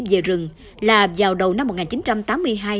về rừng là vào đầu năm một nghìn chín trăm tám mươi hai